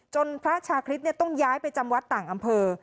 พระชาคริสต้องย้ายไปจำวัดต่างอำเภอ